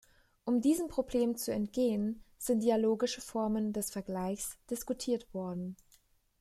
Um diesem Problem zu entgehen, sind dialogische Formen des Vergleichs diskutiert worden.